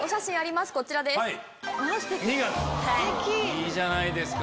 いいじゃないですか。